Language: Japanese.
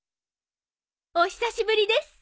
お久しぶりです。